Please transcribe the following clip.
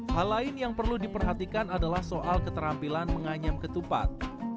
hal lain yang perlu diperhatikan adalah soal keterampilan menganyam ketupat